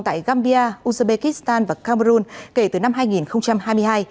tại gambia uzbekistan và cameroon kể từ năm hai nghìn hai mươi hai